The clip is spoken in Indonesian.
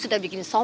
aduh yang kena